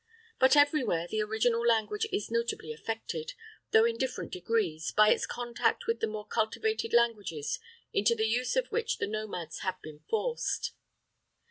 But everywhere the original language is notably affected, though in different degrees, by its contact with the more cultivated languages into the use of which the nomads have been forced.